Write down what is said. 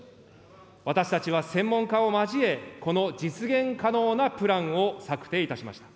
私たちは専門家を交え、この実現可能なプランを策定いたしました。